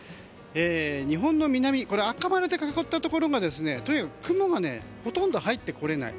日本の南赤丸で囲ったところがとにかく雲がほとんど入ってこれない。